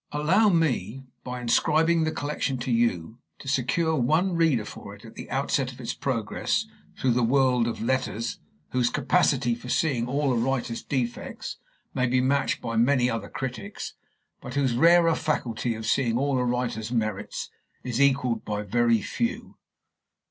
Allow me, by inscribing the collection to you, to secure one reader for it at the outset of its progress through the world of letters whose capacity for seeing all a writer's defects may be matched by many other critics, but whose rarer faculty of seeing all a writer's merits is equaled by very few.